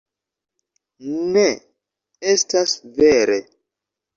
Ne, estas vere